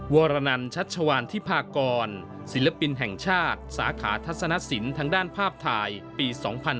วรนันชัชวานทิพากรศิลปินแห่งชาติสาขาทัศนสินทางด้านภาพถ่ายปี๒๕๕๙